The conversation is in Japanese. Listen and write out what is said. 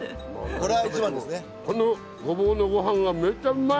このごぼうのごはんがめっちゃうまい！